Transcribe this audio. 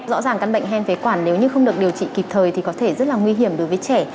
rõ ràng căn bệnh hen phế quản nếu như không được điều trị kịp thời thì có thể rất là nguy hiểm đối với trẻ